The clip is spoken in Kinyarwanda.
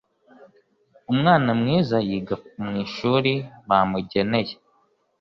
Umwana mwiza yiga mu ishuri bamugeneye.